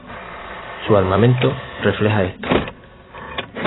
Su armamento, refleja esto.